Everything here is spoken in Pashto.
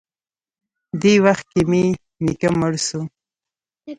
دې وخت کښې مې نيکه مړ سو.